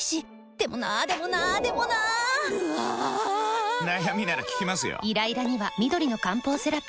でもなーでもなーでもなーぬあぁぁぁー！！！悩みなら聞きますよ。